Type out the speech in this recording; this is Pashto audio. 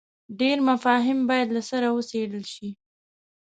ډېر مفاهیم باید له سره وڅېړل شي.